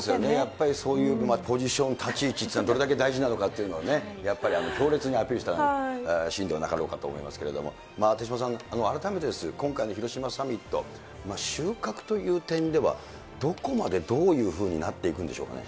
やっぱりそういうポジション、立ち位置っていうのがどれだけ大事なのかっていうのをね、やっぱり強烈にアピールしたシーンでなかろうかと思いますけれども、手嶋さん、改めて今回の広島サミット、収穫という点では、どこまでどういうふうになっていくんでしょうかね。